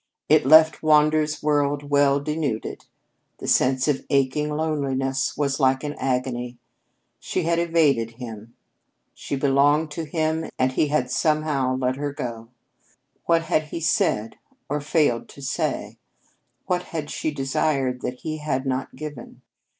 It left Wander's world well denuded. The sense of aching loneliness was like an agony. She had evaded him. She belonged to him, and he had somehow let her go! What had he said, or failed to say? What had she desired that he had not given?